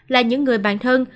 là những người bạn thân